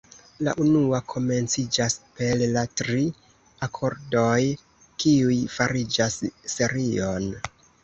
La unua komenciĝas per la tri akordoj kiuj fariĝas serion.